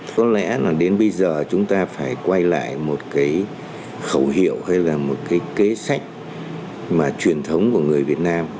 có lẽ là đến bây giờ chúng ta phải quay lại một cái khẩu hiệu hay là một cái kế sách mà truyền thống của người việt nam